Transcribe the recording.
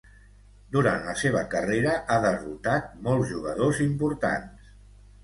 Durant la seva carrera ha derrotat molts jugadors importants.